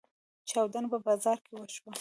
چاودنه په بازار کې وشوه.